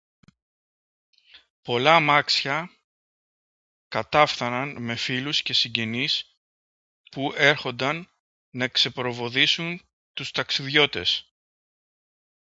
Πολλά αμάξια κατάφθαναν με φίλους και συγγενείς, που έρχουνταν να ξεπροβοδίσουν τους ταξιδιώτες